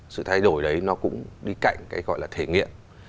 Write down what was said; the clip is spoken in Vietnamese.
sự thay đổi đấy nó cũng đi cạnh cái gọi là thể nghiệm